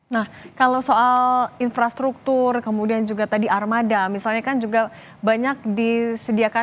nah kalau soal infrastruktur kemudian juga tadi armada misalnya kan juga banyak disediakan